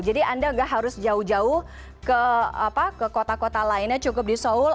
jadi anda nggak harus jauh jauh ke kota kota lainnya cukup di seoul